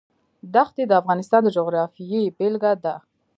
دښتې د افغانستان د جغرافیې بېلګه ده.